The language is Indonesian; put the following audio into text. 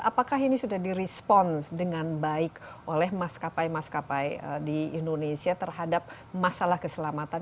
apakah ini sudah direspons dengan baik oleh maskapai maskapai di indonesia terhadap masalah keselamatan